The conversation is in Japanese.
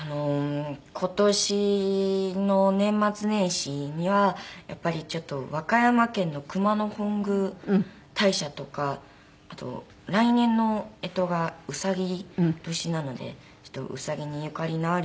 今年の年末年始にはやっぱりちょっと和歌山県の熊野本宮大社とかあと来年の干支が卯年なのでウサギにゆかりのある。